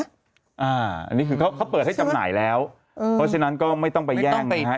อันนี้คือเขาเปิดให้จำหน่ายแล้วเพราะฉะนั้นก็ไม่ต้องไปแย่งนะฮะ